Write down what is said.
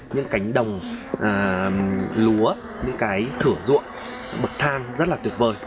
những cánh đồng lúa những cái thửa ruộng bậc than rất là tuyệt vời